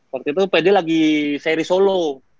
waktu itu pd lagi seri solo